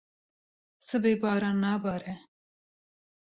Sibê baran nabare.